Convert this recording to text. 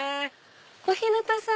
小日向さん